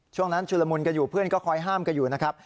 ช่วงนั้นชุลมุนกันอยู่เพื่อนก็คอยห้ามกันอยู่นะครับ